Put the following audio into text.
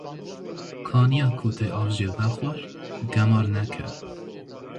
Kaniya ku te av jê vexwar, gemar neke.